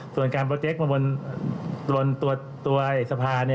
ส่วนการโปรเจคมาบนตัวสะพาน